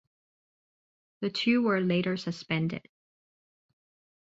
The two were later suspended.